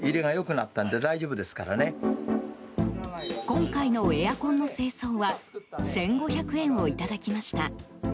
今回のエアコンの清掃は１５００円をいただきました。